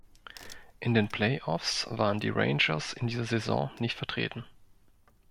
In den Playoffs waren die Rangers in dieser Saison nicht vertreten.